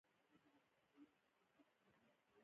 آیا ایران له افغانستان سره ډیر تجارت نلري؟